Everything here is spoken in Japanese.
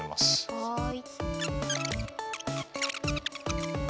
はい。